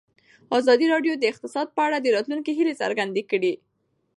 ازادي راډیو د اقتصاد په اړه د راتلونکي هیلې څرګندې کړې.